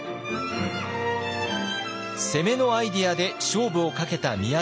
攻めのアイデアで勝負をかけた宮田さん。